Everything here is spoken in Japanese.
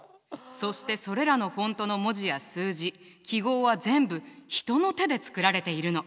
そしてそれらのフォントの文字や数字記号は全部人の手で作られているの。